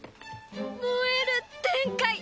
燃える展開！